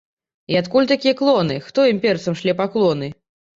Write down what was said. І адкуль такія клоны, хто імперцам шле паклоны?